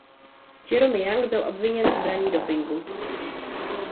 Jerome Young byl obviněn z braní dopingu.